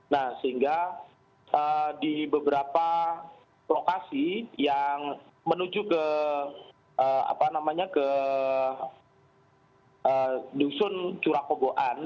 nah sehingga di beberapa lokasi yang menuju ke dusun curakoboan